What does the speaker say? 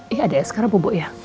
iya deh sekarang pupuk ya